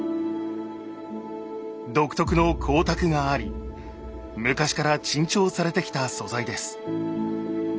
独特の光沢があり昔から珍重されてきた素材です。